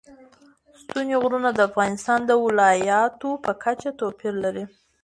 ستوني غرونه د افغانستان د ولایاتو په کچه توپیر لري.